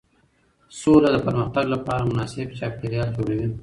سوله د پرمختګ لپاره مناسب چاپېریال جوړوي